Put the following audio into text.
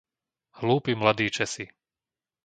Hlúpi mladí Česi!